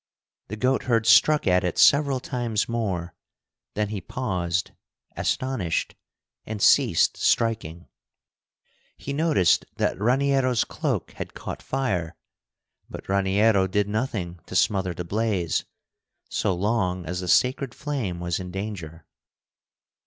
The goatherd struck at it several times more, then he paused, astonished, and ceased striking. He noticed that Raniero's cloak had caught fire, but Raniero did nothing to smother the blaze, so long as the sacred flame was in danger.